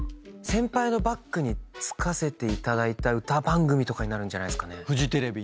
先輩のバックにつかせていただいた歌番組とかになるんじゃないですかね。